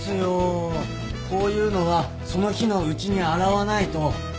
こういうのはその日のうちに洗わないと。